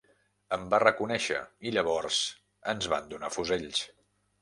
Em va reconèixer, i llavors ens van donar fusells...